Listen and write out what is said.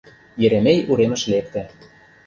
Еремей уремыш лекте.